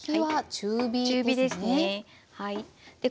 中火ですねはい。